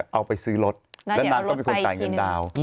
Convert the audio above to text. เอาไปซื้อรถแล้วนั้นก็มีคนขายเงินดาวน์